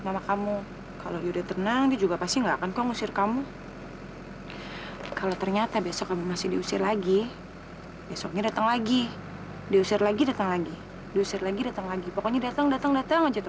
sampai jumpa di video selanjutnya